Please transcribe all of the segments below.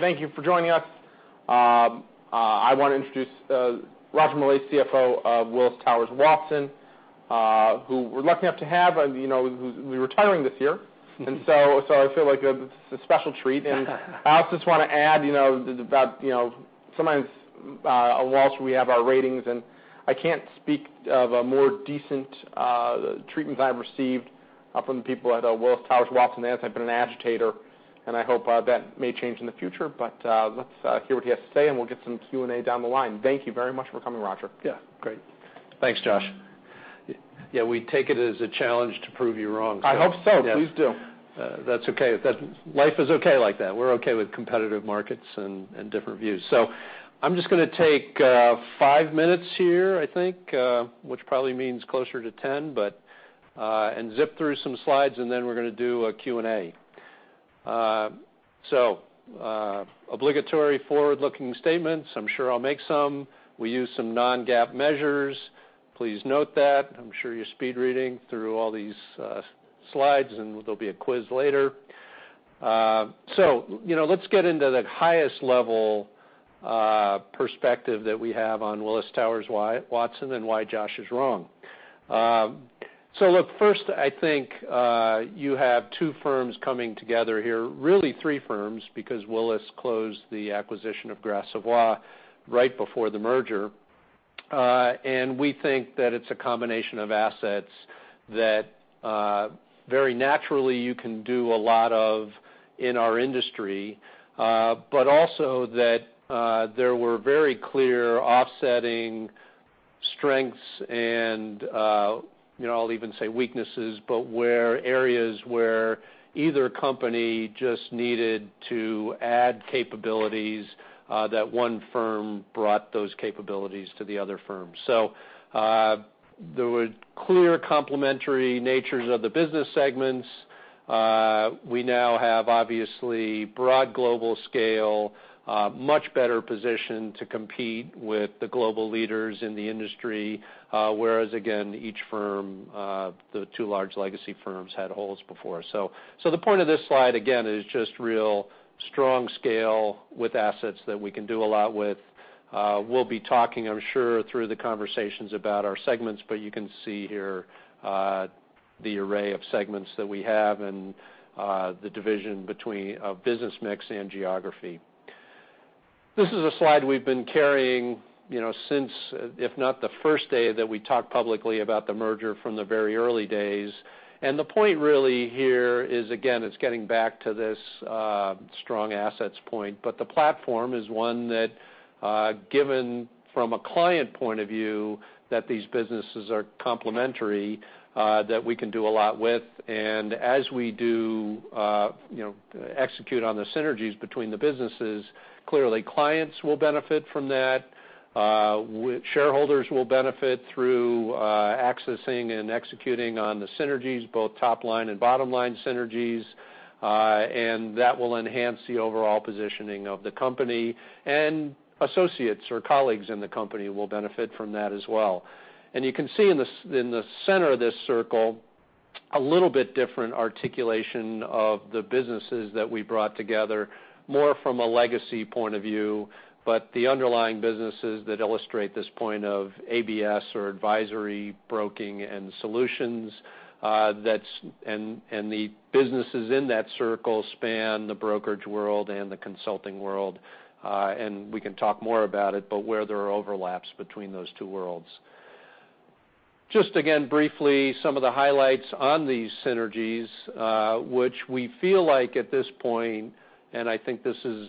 Thank you for joining us. I want to introduce Roger Millay, CFO of Willis Towers Watson, who we're lucky enough to have. He's retiring this year. I feel like it's a special treat. I also just want to add, sometimes at Willis we have our ratings, and I can't speak of a more decent treatment I've received from the people at Willis Towers Watson as I've been an agitator, and I hope that may change in the future. Let's hear what he has to say, and we'll get some Q&A down the line. Thank you very much for coming, Roger. Great. Thanks, Josh. We take it as a challenge to prove you wrong, so I hope so. Please do That's okay. Life is okay like that. We're okay with competitive markets and different views. I'm just going to take five minutes here, I think, which probably means closer to 10, and zip through some slides, and then we're going to do a Q&A. Obligatory forward-looking statements. I'm sure I'll make some. We use some non-GAAP measures. Please note that. I'm sure you're speed reading through all these slides, and there'll be a quiz later. Let's get into the highest level perspective that we have on Willis Towers Watson, and why Josh is wrong. Look, first, I think you have two firms coming together here, really three firms, because Willis closed the acquisition of Gras Savoye right before the merger. We think that it's a combination of assets that very naturally you can do a lot of in our industry. Also that there were very clear offsetting strengths and I'll even say weaknesses, but areas where either company just needed to add capabilities, that one firm brought those capabilities to the other firm. There were clear complementary natures of the business segments. We now have, obviously, broad global scale, much better positioned to compete with the global leaders in the industry. Whereas again, each firm, the two large legacy firms, had holes before. The point of this slide, again, is just real strong scale with assets that we can do a lot with. We'll be talking, I'm sure, through the conversations about our segments, but you can see here the array of segments that we have and the division between business mix and geography. This is a slide we've been carrying since, if not the first day that we talked publicly about the merger, from the very early days. The point really here is, again, it's getting back to this strong assets point, but the platform is one that, given from a client point of view, that these businesses are complementary, that we can do a lot with. As we do execute on the synergies between the businesses, clearly clients will benefit from that. Shareholders will benefit through accessing and executing on the synergies, both top-line and bottom-line synergies. That will enhance the overall positioning of the company. Associates or colleagues in the company will benefit from that as well. You can see in the center of this circle, a little bit different articulation of the businesses that we brought together, more from a legacy point of view. The underlying businesses that illustrate this point of ABS or advisory, broking, and solutions, and the businesses in that circle span the brokerage world and the consulting world. We can talk more about it, but where there are overlaps between those two worlds. Just again, briefly, some of the highlights on these synergies, which we feel like at this point, and I think this is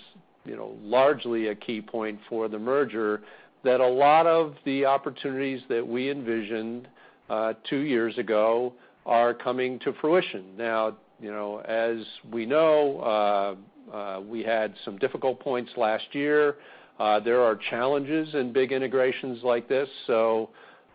largely a key point for the merger, that a lot of the opportunities that we envisioned two years ago are coming to fruition. As we know, we had some difficult points last year. There are challenges in big integrations like this.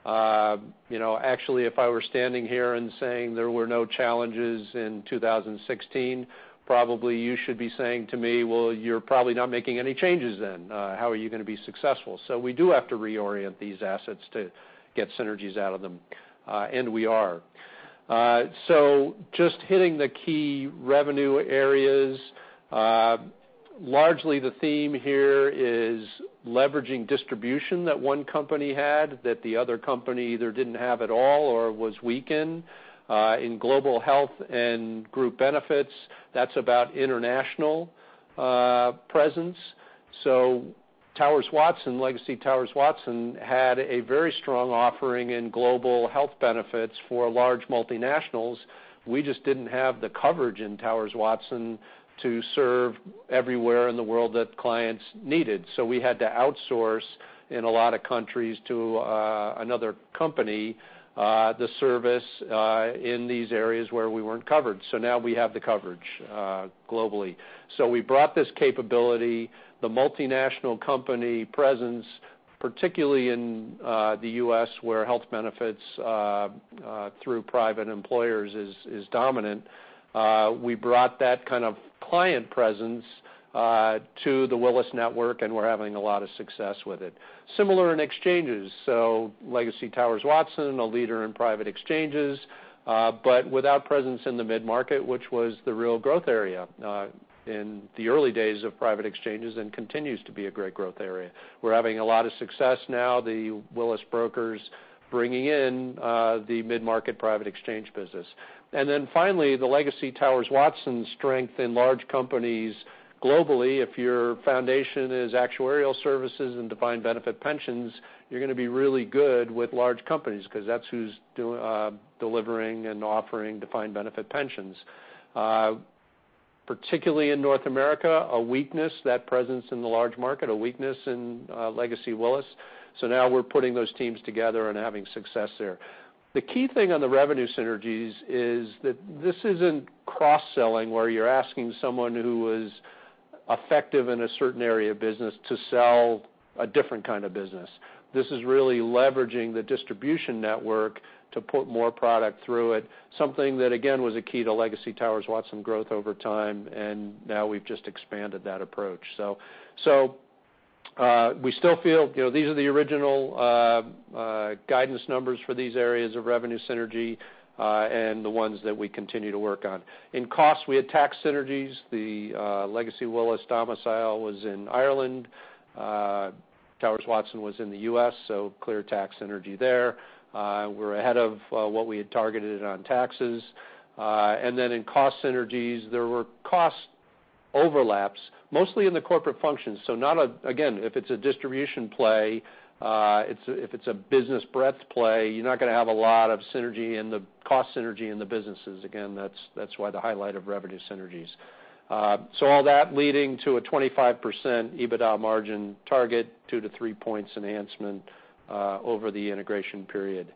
Actually, if I were standing here and saying there were no challenges in 2016, probably you should be saying to me, "Well, you're probably not making any changes then. How are you going to be successful?" We do have to reorient these assets to get synergies out of them, and we are. Just hitting the key revenue areas. Largely the theme here is leveraging distribution that one company had that the other company either didn't have at all or was weakened. In Global Health and Group Benefits, that's about international presence. Towers Watson, legacy Towers Watson, had a very strong offering in global health benefits for large multinationals. We just didn't have the coverage in Towers Watson to serve everywhere in the world that clients needed. We had to outsource in a lot of countries to another company, the service in these areas where we weren't covered. Now we have the coverage globally. We brought this capability, the multinational company presence, particularly in the U.S., where health benefits through private employers is dominant. We brought that kind of client presence to the Willis network, and we're having a lot of success with it. Similar in exchanges. Legacy Towers Watson, a leader in private exchanges, but without presence in the mid-market, which was the real growth area in the early days of private exchanges and continues to be a great growth area. We're having a lot of success now, the Willis brokers bringing in the mid-market private exchange business. Finally, the legacy Towers Watson strength in large companies globally. If your foundation is actuarial services and defined benefit pensions, you're going to be really good with large companies because that's who's delivering and offering defined benefit pensions. particularly in North America, a weakness, that presence in the large market, a weakness in legacy Willis. Now we're putting those teams together and having success there. The key thing on the revenue synergies is that this isn't cross-selling where you're asking someone who was effective in a certain area of business to sell a different kind of business. This is really leveraging the distribution network to put more product through it. Something that, again, was a key to legacy Towers Watson growth over time, and now we've just expanded that approach. We still feel these are the original guidance numbers for these areas of revenue synergy, and the ones that we continue to work on. In cost, we had tax synergies. The legacy Willis domicile was in Ireland. Towers Watson was in the U.S., clear tax synergy there. We're ahead of what we had targeted on taxes. In cost synergies, there were cost overlaps, mostly in the corporate functions. Again, if it's a distribution play, if it's a business breadth play, you're not going to have a lot of cost synergy in the businesses. Again, that's why the highlight of revenue synergies. All that leading to a 25% EBITDA margin target, two to three points enhancement over the integration period.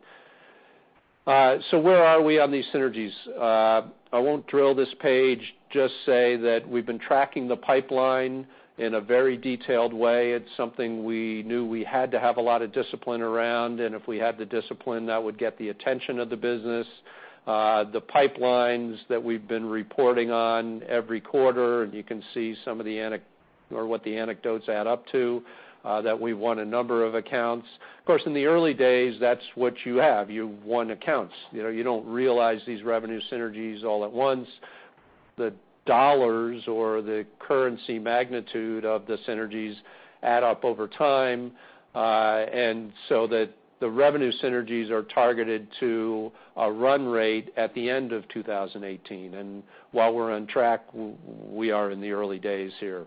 Where are we on these synergies? I won't drill this page, just say that we've been tracking the pipeline in a very detailed way. It's something we knew we had to have a lot of discipline around, and if we had the discipline, that would get the attention of the business. The pipelines that we've been reporting on every quarter, and you can see what the anecdotes add up to, that we won a number of accounts. Of course, in the early days, that's what you have. You won accounts. You don't realize these revenue synergies all at once. The dollars or the currency magnitude of the synergies add up over time. The revenue synergies are targeted to a run rate at the end of 2018. While we're on track, we are in the early days here.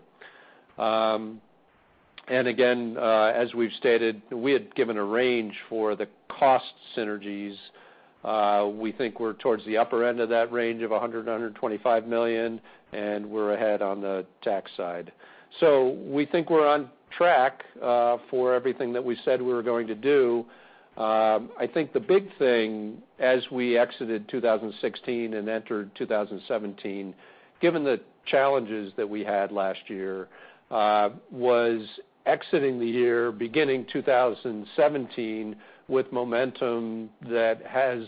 Again, as we've stated, we had given a range for the cost synergies. We think we're towards the upper end of that range of $100 million-$125 million, and we're ahead on the tax side. We think we're on track for everything that we said we were going to do. I think the big thing as we exited 2016 and entered 2017, given the challenges that we had last year, was exiting the year beginning 2017 with momentum that has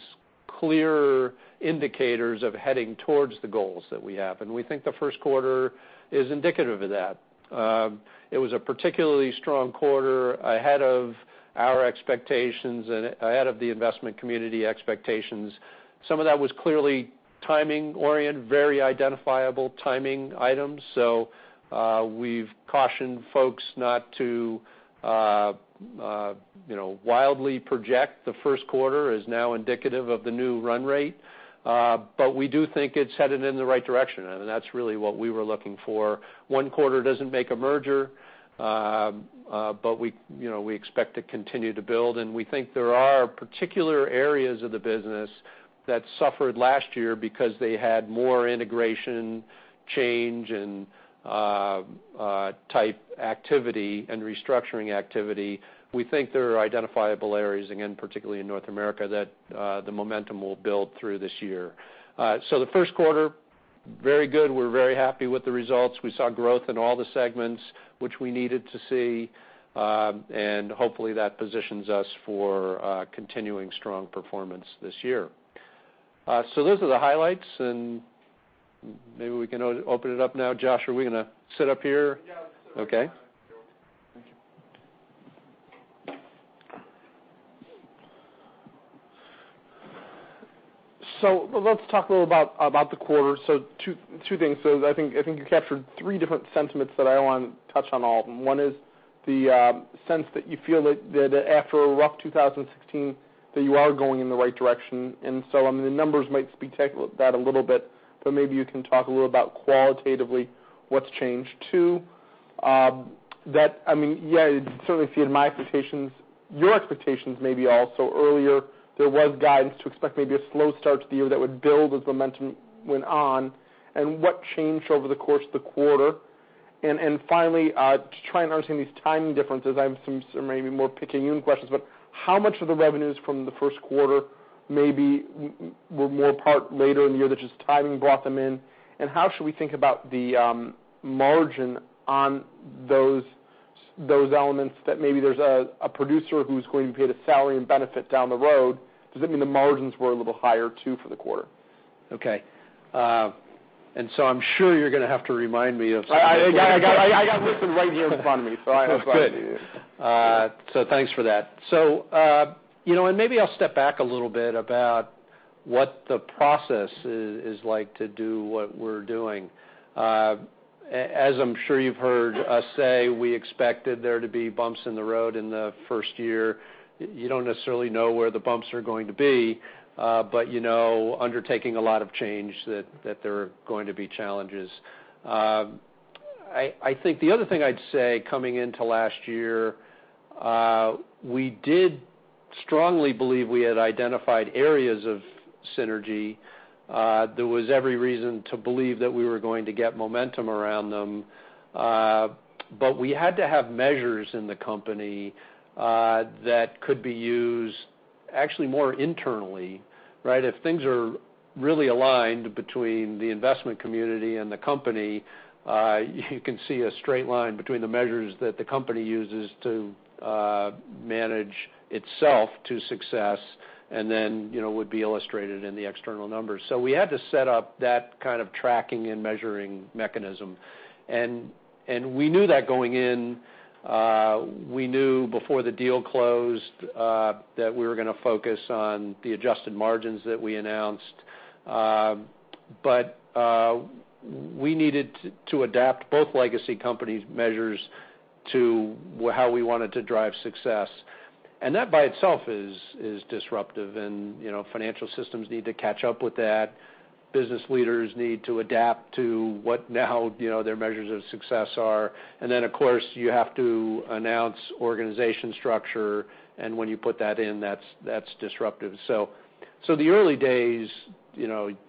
clearer indicators of heading towards the goals that we have. We think the first quarter is indicative of that. It was a particularly strong quarter ahead of our expectations and ahead of the investment community expectations. Some of that was clearly timing-oriented, very identifiable timing items. We've cautioned folks not to wildly project the first quarter as now indicative of the new run rate. We do think it's headed in the right direction, and that's really what we were looking for. One quarter doesn't make a merger, we expect to continue to build. We think there are particular areas of the business that suffered last year because they had more integration change and type activity and restructuring activity. We think there are identifiable areas, again, particularly in North America, that the momentum will build through this year. The first quarter, very good. We're very happy with the results. We saw growth in all the segments, which we needed to see. Hopefully, that positions us for continuing strong performance this year. Those are the highlights, and maybe we can open it up now. Josh, are we going to sit up here? Yeah. Okay. Let's talk a little about the quarter. Two things. I think you captured three different sentiments that I want to touch on all of them. One is the sense that you feel that after a rough 2016, that you are going in the right direction. The numbers might speak that a little bit, but maybe you can talk a little about qualitatively what's changed. Two, that, yeah, it certainly fit my expectations, your expectations maybe also earlier there was guidance to expect maybe a slow start to the year that would build as momentum went on and what changed over the course of the quarter. Finally, to try and understand these timing differences, I have some maybe more picayune questions, but how much of the revenues from the first quarter maybe were more part later in the year that just timing brought them in? How should we think about the margin on those elements that maybe there's a producer who's going to be paid a salary and benefit down the road? Does that mean the margins were a little higher too for the quarter? Okay. I'm sure you're going to have to remind me. I got them listed right here in front of me. Good. Thanks for that. Maybe I'll step back a little bit about what the process is like to do what we're doing. As I'm sure you've heard us say, we expected there to be bumps in the road in the first year. You don't necessarily know where the bumps are going to be. You know undertaking a lot of change that there are going to be challenges. I think the other thing I'd say coming into last year, we did strongly believe we had identified areas of synergy. There was every reason to believe that we were going to get momentum around them. We had to have measures in the company that could be used actually more internally, right? If things are really aligned between the investment community and the company, you can see a straight line between the measures that the company uses to manage itself to success and then would be illustrated in the external numbers. We had to set up that kind of tracking and measuring mechanism. We knew that going in. We knew before the deal closed that we were going to focus on the adjusted margins that we announced. We needed to adapt both legacy companies' measures to how we wanted to drive success. That by itself is disruptive and financial systems need to catch up with that. Business leaders need to adapt to what now their measures of success are. Of course, you have to announce organization structure, and when you put that in, that's disruptive. The early days,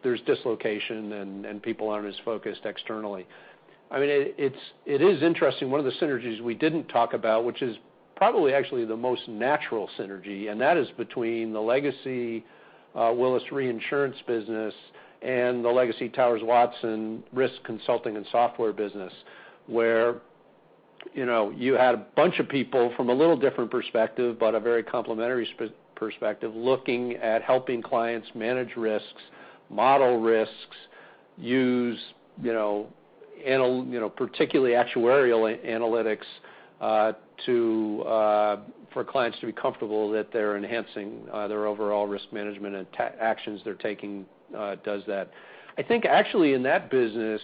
there's dislocation and people aren't as focused externally. It is interesting. One of the synergies we didn't talk about, which is probably actually the most natural synergy, and that is between the legacy Willis Reinsurance business and the legacy Towers Watson risk consulting and software business. Where you had a bunch of people from a little different perspective, but a very complementary perspective, looking at helping clients manage risks, model risks, use particularly actuarial analytics for clients to be comfortable that they're enhancing their overall risk management and actions they're taking does that. I think actually in that business,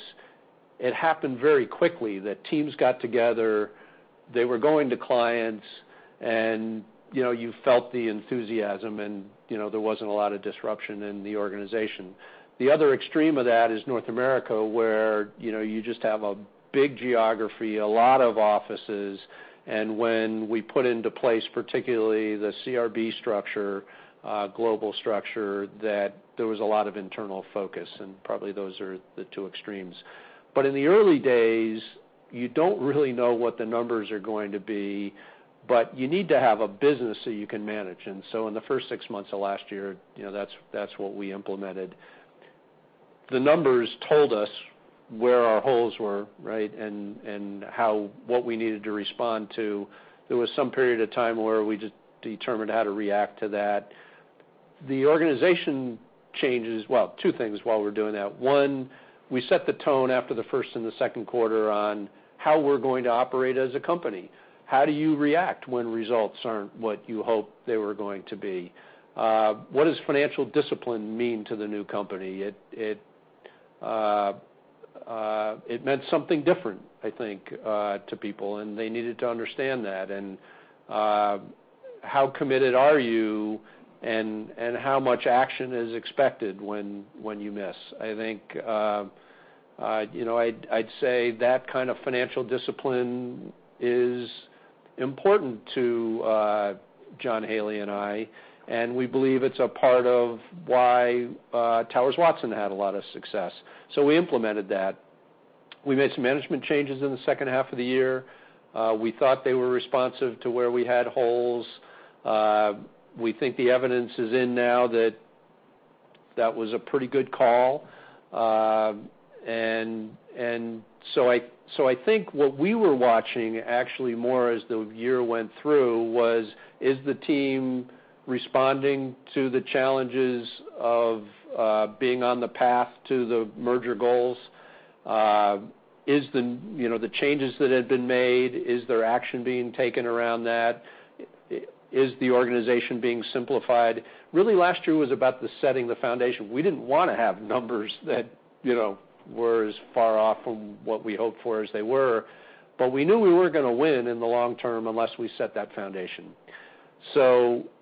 it happened very quickly that teams got together. They were going to clients and you felt the enthusiasm and there wasn't a lot of disruption in the organization. The other extreme of that is North America, where you just have a big geography, a lot of offices, and when we put into place, particularly the CRB structure, global structure, that there was a lot of internal focus, and probably those are the two extremes. In the early days, you don't really know what the numbers are going to be, but you need to have a business that you can manage. In the first six months of last year, that's what we implemented. The numbers told us where our holes were, right? What we needed to respond to. There was some period of time where we just determined how to react to that. The organization changes, well, two things while we're doing that. One, we set the tone after the first and the second quarter on how we're going to operate as a company. How do you react when results aren't what you hoped they were going to be? What does financial discipline mean to the new company? It meant something different, I think, to people, and they needed to understand that. How committed are you and how much action is expected when you miss? I'd say that kind of financial discipline is important to John Haley and I, and we believe it's a part of why Towers Watson had a lot of success. We implemented that. We made some management changes in the second half of the year. We thought they were responsive to where we had holes. We think the evidence is in now that that was a pretty good call. I think what we were watching actually more as the year went through was, is the team responding to the challenges of being on the path to the merger goals? The changes that had been made, is there action being taken around that? Is the organization being simplified? Really, last year was about the setting the foundation. We didn't want to have numbers that were as far off from what we hoped for as they were. We knew we weren't going to win in the long term unless we set that foundation.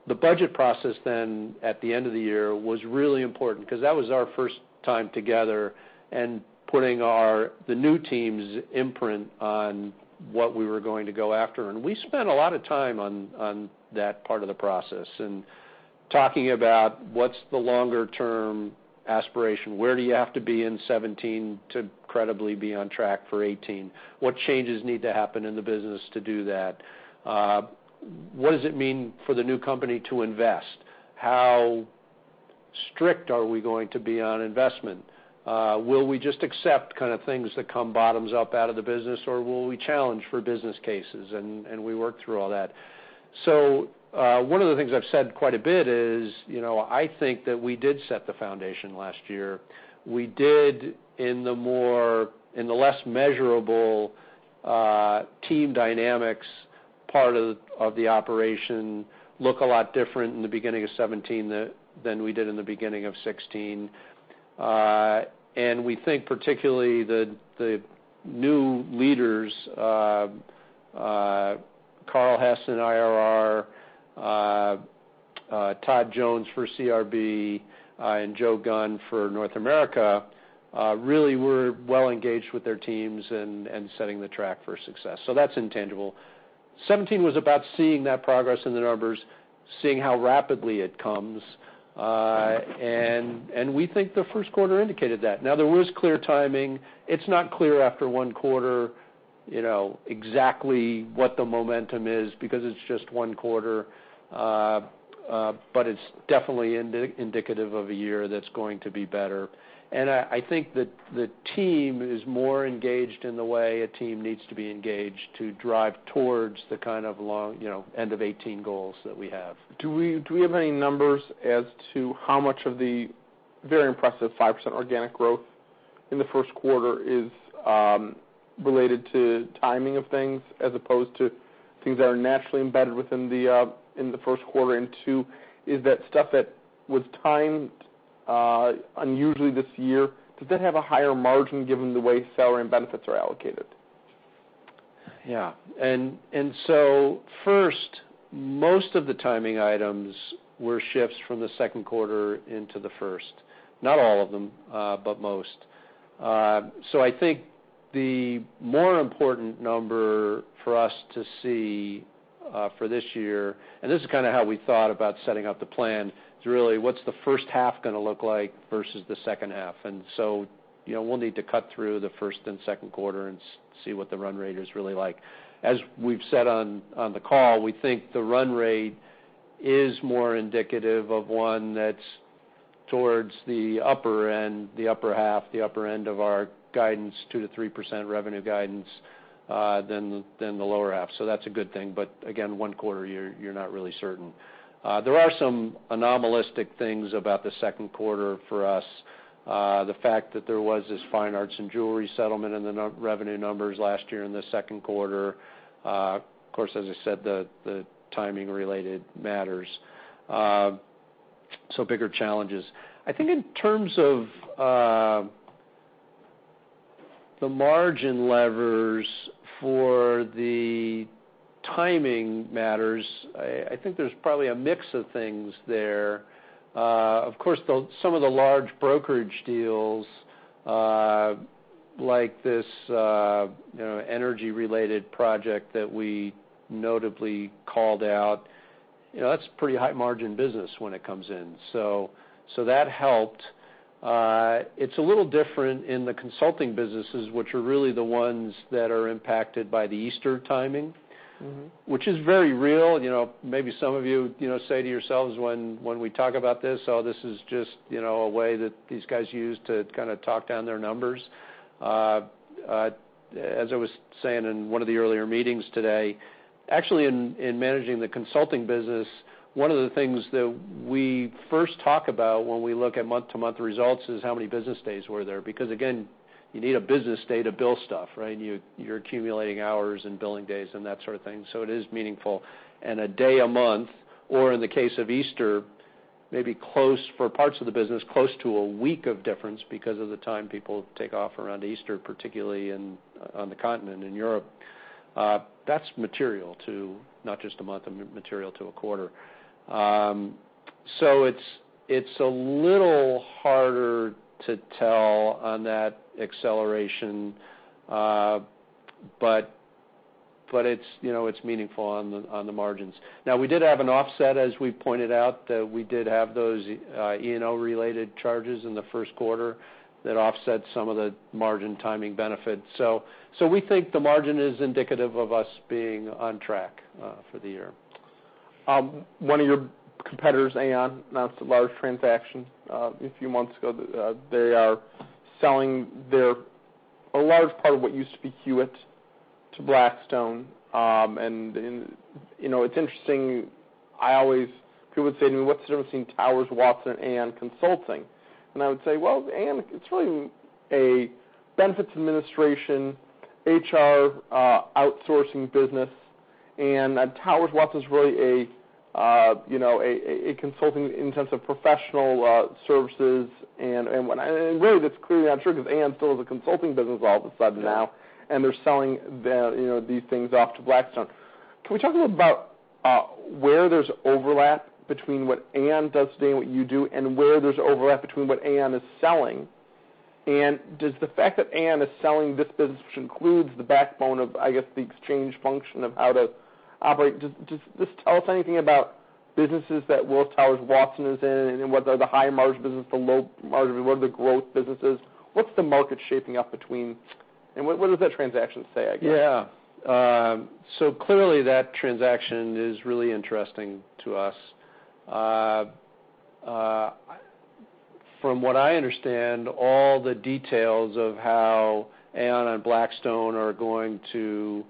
The budget process then at the end of the year was really important because that was our first time together and putting the new team's imprint on what we were going to go after. We spent a lot of time on that part of the process and talking about what's the longer-term aspiration? Where do you have to be in 2017 to credibly be on track for 2018? What changes need to happen in the business to do that? What does it mean for the new company to invest? How strict are we going to be on investment? Will we just accept kind of things that come bottoms up out of the business, or will we challenge for business cases? We worked through all that. One of the things I've said quite a bit is, I think that we did set the foundation last year. We did in the less measurable team dynamics part of the operation look a lot different in the beginning of 2017 than we did in the beginning of 2016. We think particularly the new leaders, Carl Hess in IRR, Todd Jones for CRB, and Joe Gunn for North America really were well-engaged with their teams and setting the track for success. That's intangible. 2017 was about seeing that progress in the numbers, seeing how rapidly it comes. We think the first quarter indicated that. Now, there was clear timing. It's not clear after one quarter exactly what the momentum is, because it's just one quarter. It's definitely indicative of a year that's going to be better. I think that the team is more engaged in the way a team needs to be engaged to drive towards the end of 2018 goals that we have. Do we have any numbers as to how much of the very impressive 5% organic growth in the first quarter is related to timing of things as opposed to things that are naturally embedded within the first quarter? Two, is that stuff that was timed unusually this year, does that have a higher margin given the way salary and benefits are allocated? Yeah. First, most of the timing items were shifts from the second quarter into the first. Not all of them, but most. I think the more important number for us to see for this year, and this is how we thought about setting up the plan, is really what's the first half going to look like versus the second half. We'll need to cut through the first and second quarter and see what the run rate is really like. As we've said on the call, we think the run rate is more indicative of one that's towards the upper end, the upper half, the upper end of our guidance, 2%-3% revenue guidance, than the lower half. That's a good thing. Again, one quarter, you're not really certain. There are some anomalistic things about the second quarter for us. The fact that there was this fine arts and jewelry settlement in the revenue numbers last year in the second quarter. Of course, as I said, the timing-related matters. Bigger challenges. I think in terms of the margin levers for the timing matters, I think there's probably a mix of things there. Of course, some of the large brokerage deals, like this energy-related project that we notably called out, that's pretty high-margin business when it comes in. That helped. It's a little different in the consulting businesses, which are really the ones that are impacted by the Easter timing. Which is very real. Maybe some of you say to yourselves when we talk about this, "Oh, this is just a way that these guys use to talk down their numbers." As I was saying in one of the earlier meetings today, actually in managing the consulting business, one of the things that we first talk about when we look at month-to-month results is how many business days were there. Because again, you need a business day to bill stuff, right? You're accumulating hours and billing days and that sort of thing. It is meaningful. A day a month, or in the case of Easter, for parts of the business, close to a week of difference because of the time people take off around Easter, particularly on the continent in Europe. That's material to not just a month, material to a quarter. It's a little harder to tell on that acceleration, but it's meaningful on the margins. Now, we did have an offset, as we pointed out, that we did have those E&O-related charges in the first quarter that offset some of the margin timing benefits. We think the margin is indicative of us being on track for the year. One of your competitors, Aon, announced a large transaction a few months ago. They are selling a large part of what used to be Hewitt to Blackstone. It's interesting, people would say to me, "What's the difference between Towers Watson and Aon Consulting?" I would say, "Well, Aon, it's really a benefits administration, HR outsourcing business, and Towers Watson's really a consulting in terms of professional services." Really that's clearly not true because Aon still has a consulting business all of a sudden now, and they're selling these things off to Blackstone. Can we talk a little about where there's overlap between what Aon does today and what you do, and where there's overlap between what Aon is selling? Does the fact that Aon is selling this business, which includes the backbone of, I guess, the exchange function of how to operate, does this tell us anything about businesses that Willis Towers Watson is in, and what are the high-margin business, the low-margin, what are the growth businesses? What's the market shaping up between, and what does that transaction say, I guess? Yeah. Clearly, that transaction is really interesting to us. From what I understand, all the details of how Aon and Blackstone are going to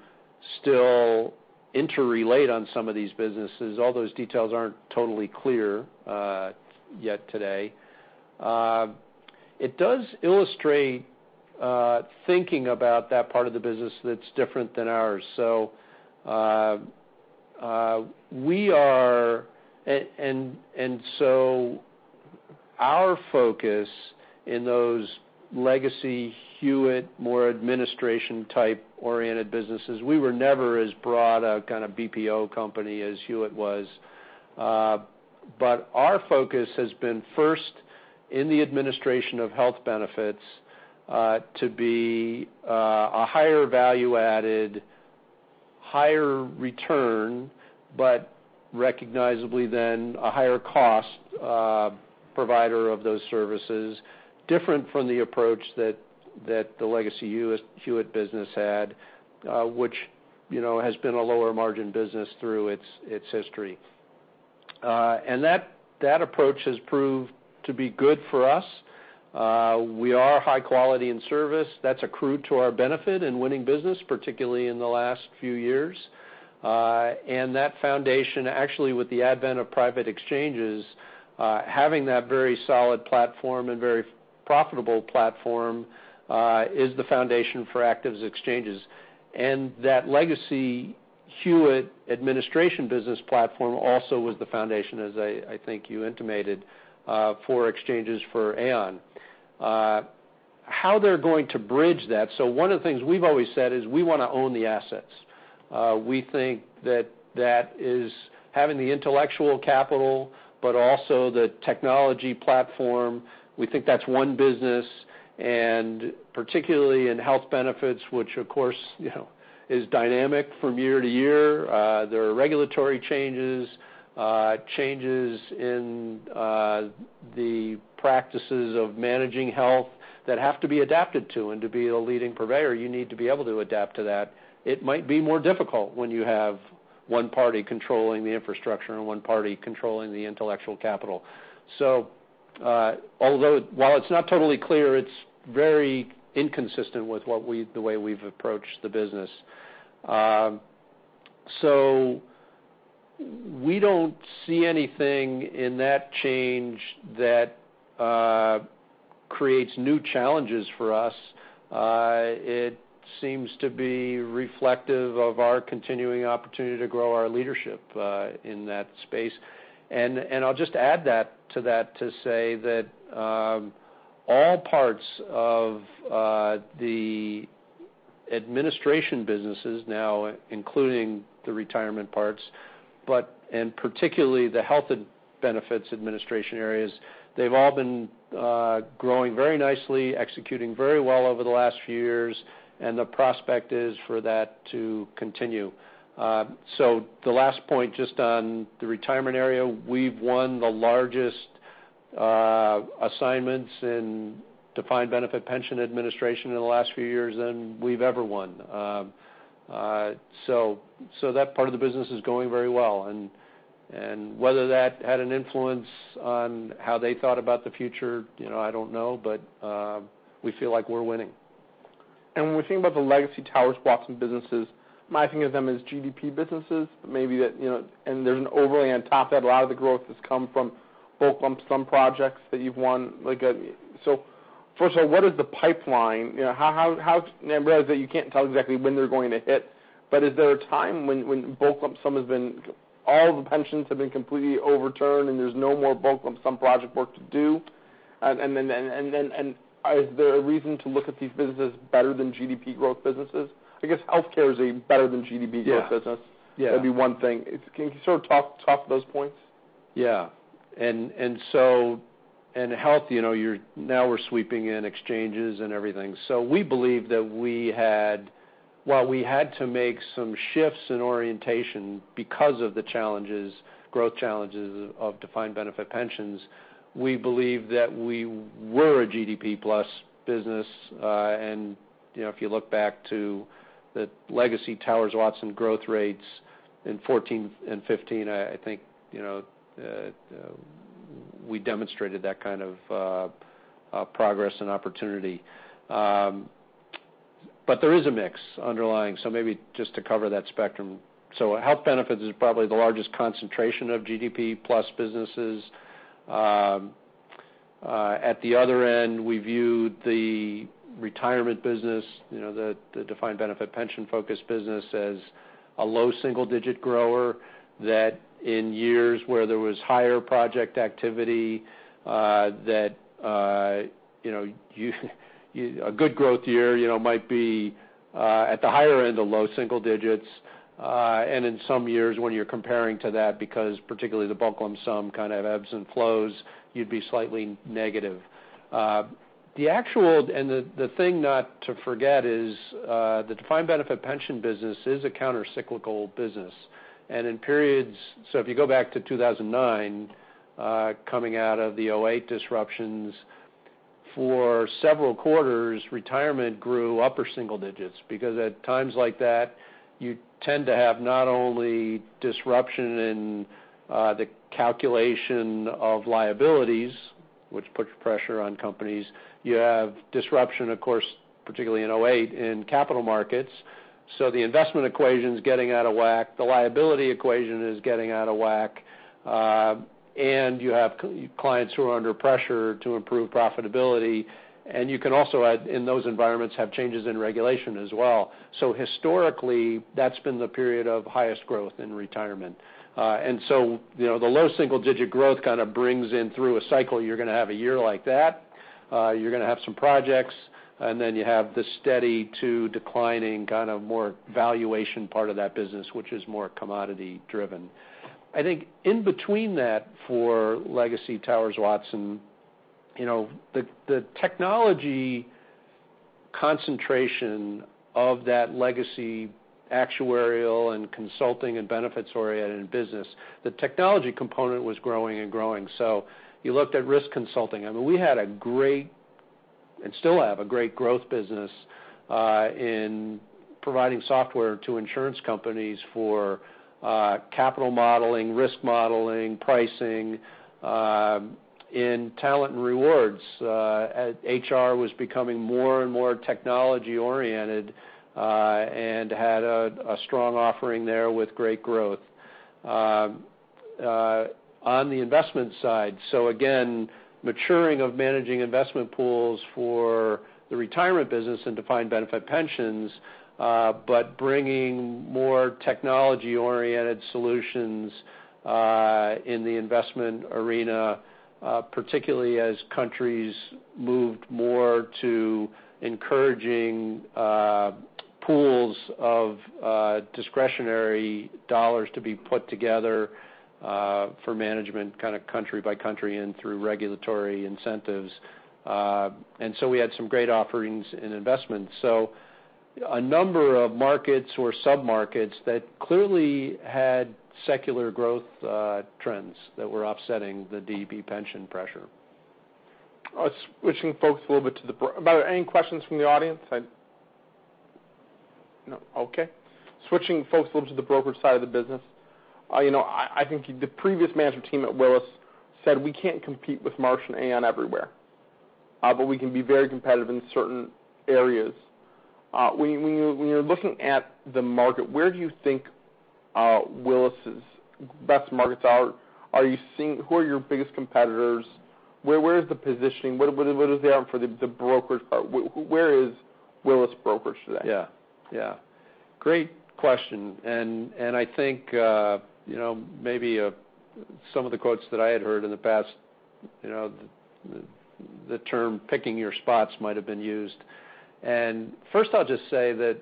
still interrelate on some of these businesses, all those details aren't totally clear yet today. It does illustrate thinking about that part of the business that's different than ours. Our focus in those legacy Hewitt, more administration type-oriented businesses, we were never as broad a kind of BPO company as Hewitt was. Our focus has been first in the administration of health benefits to be a higher value-added, higher return, but recognizably then a higher cost provider of those services, different from the approach that the legacy Hewitt business had, which has been a lower margin business through its history. That approach has proved to be good for us. We are high quality in service. That's accrued to our benefit in winning business, particularly in the last few years. That foundation, actually with the advent of private exchanges, having that very solid platform and very profitable platform, is the foundation for active exchanges. That legacy Hewitt administration business platform also was the foundation, as I think you intimated, for exchanges for Aon. How they're going to bridge that. One of the things we've always said is we want to own the assets. We think that that is having the intellectual capital, but also the technology platform. We think that's one business, and particularly in health benefits, which of course is dynamic from year to year. There are regulatory changes in the practices of managing health that have to be adapted to, and to be a leading purveyor, you need to be able to adapt to that. It might be more difficult when you have one party controlling the infrastructure and one party controlling the intellectual capital. Although while it's not totally clear, it's very inconsistent with the way we've approached the business. We don't see anything in that change that creates new challenges for us. It seems to be reflective of our continuing opportunity to grow our leadership in that space. I'll just add to that to say that all parts of the administration businesses now, including the retirement parts, and particularly the health benefits administration areas, they've all been growing very nicely, executing very well over the last few years, and the prospect is for that to continue. The last point, just on the retirement area, we've won the largest assignments in Defined Benefit pension administration in the last few years than we've ever won. That part of the business is going very well, whether that had an influence on how they thought about the future, I don't know, but we feel like we're winning. When we think about the legacy Towers Watson businesses, I think of them as GDP businesses, maybe that. There's an overlay on top that. A lot of the growth has come from bulk lump sum projects that you've won. First of all, what is the pipeline? I realize that you can't tell exactly when they're going to hit, but is there a time when bulk lump sum has been, all the pensions have been completely overturned, and there's no more bulk lump sum project work to do? Is there a reason to look at these businesses better than GDP growth businesses? I guess healthcare is a better than GDP growth business. Yes. That'd be one thing. Can you sort of talk to those points? Yeah. Health, now we're sweeping in exchanges and everything. We believe that while we had to make some shifts in orientation because of the growth challenges of defined benefit pensions, we believe that we were a GDP plus business. If you look back to the legacy Towers Watson growth rates in 2014 and 2015, I think we demonstrated that kind of progress and opportunity. There is a mix underlying, maybe just to cover that spectrum. Health benefits is probably the largest concentration of GDP plus businesses. At the other end, we view the retirement business, the defined benefit pension-focused business as a low single-digit grower, that in years where there was higher project activity, that a good growth year might be at the higher end of low single digits. In some years when you're comparing to that, because particularly the bulk lump sum kind of ebbs and flows, you'd be slightly negative. The thing not to forget is, the Defined Benefit pension business is a counter-cyclical business. If you go back to 2009, coming out of the 2008 disruptions, for several quarters, retirement grew upper single digits because at times like that, you tend to have not only disruption in the calculation of liabilities, which puts pressure on companies, you have disruption, of course, particularly in 2008, in capital markets. The investment equation's getting out of whack, the liability equation is getting out of whack, and you have clients who are under pressure to improve profitability. You can also add, in those environments, have changes in regulation as well. Historically, that's been the period of highest growth in retirement. The low single digit growth kind of brings in through a cycle, you're going to have a year like that. You're going to have some projects, and then you have the steady to declining kind of more valuation part of that business, which is more commodity-driven. I think in between that, for legacy Towers Watson, the technology concentration of that legacy actuarial and consulting and benefits-oriented business, the technology component was growing. You looked at risk consulting. I mean, we had a great, and still have a great growth business in providing software to insurance companies for capital modeling, risk modeling, pricing in talent and rewards. HR was becoming more and more technology-oriented and had a strong offering there with great growth. On the investment side, again, maturing of managing investment pools for the retirement business and Defined Benefit pensions, but bringing more technology-oriented solutions in the investment arena, particularly as countries moved more to encouraging pools of discretionary $ to be put together for management, kind of country by country and through regulatory incentives. We had some great offerings in investments. A number of markets or sub-markets that clearly had secular growth trends that were offsetting the DB pension pressure. Switching folks a little bit. Are there any questions from the audience? No. Okay. Switching folks a little to the brokerage side of the business. I think the previous management team at Willis said we can't compete with Marsh & McLennan everywhere, but we can be very competitive in certain areas. When you're looking at the market, where do you think Willis's best markets are? Who are your biggest competitors? Where is the positioning? What is the outcome for the brokerage part? Where is Willis Brokerage today? Great question. I think maybe some of the quotes that I had heard in the past, the term picking your spots might've been used. First I'll just say that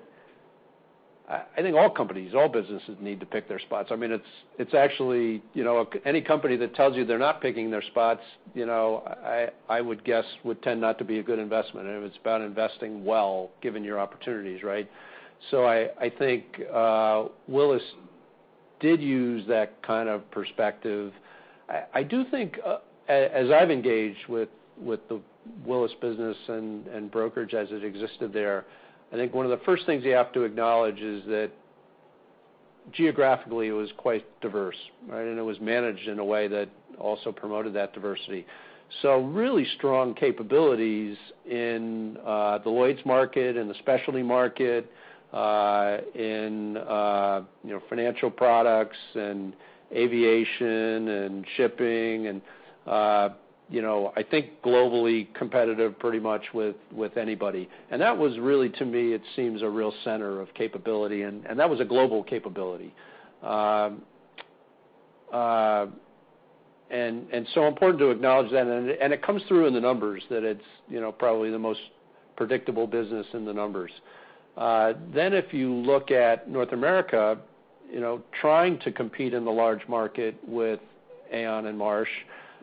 I think all companies, all businesses need to pick their spots. I mean, any company that tells you they're not picking their spots, I would guess would tend not to be a good investment. It's about investing well given your opportunities, right? I think Willis did use that kind of perspective. I do think as I've engaged with the Willis business and brokerage as it existed there, I think one of the first things you have to acknowledge is that geographically it was quite diverse, right? It was managed in a way that also promoted that diversity. Really strong capabilities in the Lloyd's market and the specialty market, in financial products and aviation and shipping, I think globally competitive pretty much with anybody. That was really, to me, it seems a real center of capability, and that was a global capability. Important to acknowledge that, and it comes through in the numbers that it's probably the most predictable business in the numbers. If you look at North America, trying to compete in the large market with Aon and Marsh,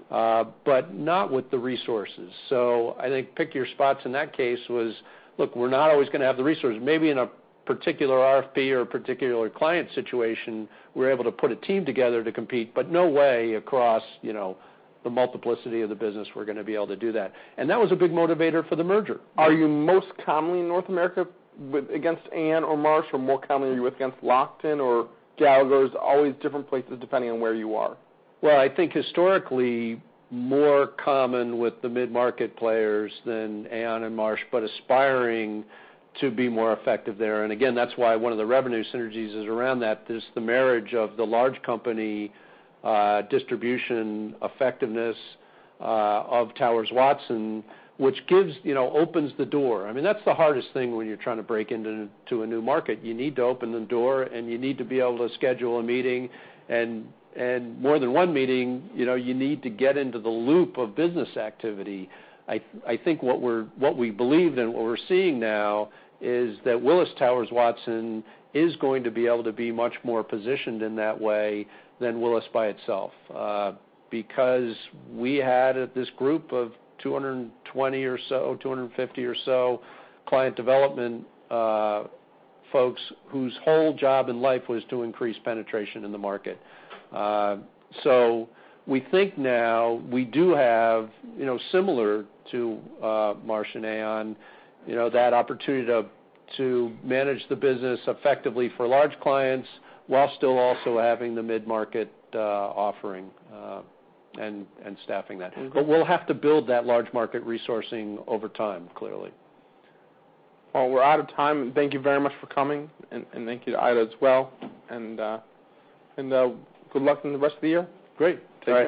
but not with the resources. I think pick your spots in that case was, look, we're not always going to have the resources. Maybe in a particular RFP or a particular client situation, we're able to put a team together to compete, but no way across the multiplicity of the business we're going to be able to do that. That was a big motivator for the merger. Are you most commonly in North America against Aon or Marsh? More commonly are you against Lockton or Gallagher? Always different places depending on where you are. I think historically more common with the mid-market players than Aon and Marsh, but aspiring to be more effective there. Again, that's why one of the revenue synergies is around that, the marriage of the large company distribution effectiveness of Towers Watson, which opens the door. I mean, that's the hardest thing when you're trying to break into a new market. You need to open the door, and you need to be able to schedule a meeting. More than one meeting, you need to get into the loop of business activity. I think what we believed and what we're seeing now is that Willis Towers Watson is going to be able to be much more positioned in that way than Willis by itself. We had this group of 220 or so, 250 or so client development folks whose whole job in life was to increase penetration in the market. We think now we do have similar to Marsh and Aon, that opportunity to manage the business effectively for large clients while still also having the mid-market offering and staffing that. We'll have to build that large market resourcing over time, clearly. We're out of time. Thank you very much for coming, and thank you to Ida as well. Good luck in the rest of the year. Great. Take care.